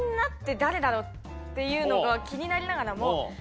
っていうのが気になりながらも。